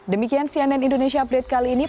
demikian cnn indonesia update kali ini